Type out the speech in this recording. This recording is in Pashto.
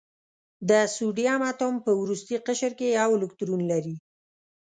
د سوډیم اتوم په وروستي قشر کې یو الکترون لري.